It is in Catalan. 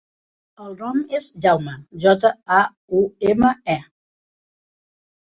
El nom és Jaume: jota, a, u, ema, e.